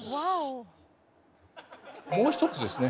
もう一つですね